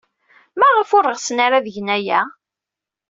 Maɣef ur ɣsen ara ad gen aya?